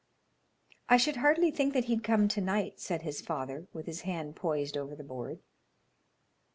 "I should hardly think that he'd come to night," said his father, with his hand poised over the board.